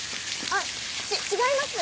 あっ違います。